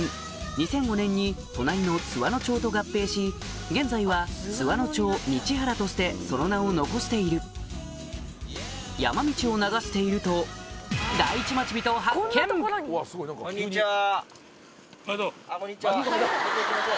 ２００５年に隣の津和野町と合併し現在は津和野町日原としてその名を残している山道を流しているとこんにちは。